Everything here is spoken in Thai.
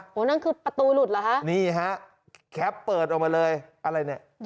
โอ้โหนั่นคือประตูหลุดเหรอฮะนี่ฮะแคปเปิดออกมาเลยอะไรเนี่ย